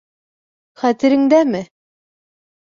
Хәтерендәме?